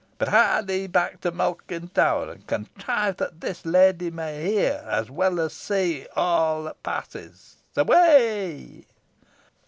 But hie thee back to Malkin Tower, and contrive that this lady may hear, as well as see, all that passes. Away!"